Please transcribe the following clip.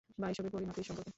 বা এসবের পরিণতি সম্পর্কে।